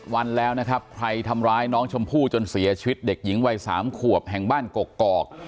วันแล้วนะครับใครทำร้ายน้องชมพู่จนเสียชีวิตเด็กหญิงวัย๓ขวบแห่งบ้านกกอก